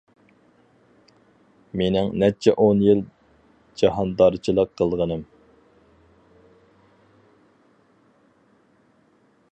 مىنىڭ نەچچە ئون يىل جاھاندارچىلىق قىلغىنىم.